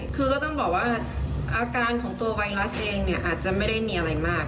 คือก็ต้องบอกว่าอาการของตัวไวรัสเองเนี่ยอาจจะไม่ได้มีอะไรมาก